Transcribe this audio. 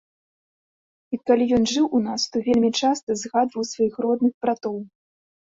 І калі ён жыў у нас, то вельмі часта згадваў сваіх родных братоў.